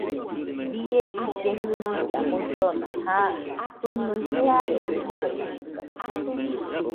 Bie ille junuilla muidona, ja jɨnui jearede jiroitɨkaɨ